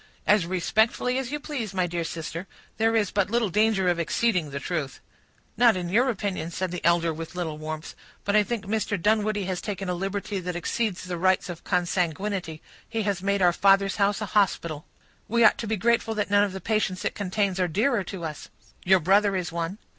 "As respectfully as you please, my dear sister; there is but little danger of exceeding the truth." "Not in your opinion," said the elder, with a little warmth. "But I think Mr. Dunwoodie has taken a liberty that exceeds the rights of consanguinity; he has made our father's house a hospital." "We ought to be grateful that none of the patients it contains are dearer to us." "Your brother is one."